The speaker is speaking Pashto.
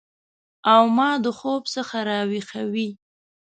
او ما د خوب څخه راویښوي